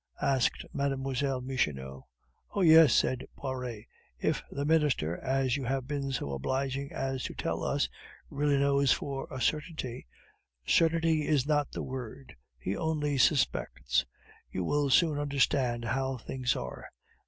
asked Mlle. Michonneau. "Oh yes," said Poiret, "if the Minister, as you have been so obliging as to tell us, really knows for a certainty " "Certainty is not the word; he only suspects. You will soon understand how things are.